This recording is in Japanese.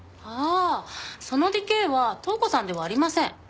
ああそのディケーは塔子さんではありません。